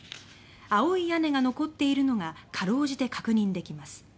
青い屋根が残っているのがかろうじて確認できます。